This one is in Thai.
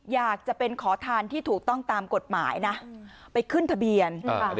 อยากจะเป็นขอทานที่ถูกต้องตามกฎหมายนะไปขึ้นทะเบียน